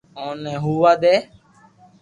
اوني ھووا دي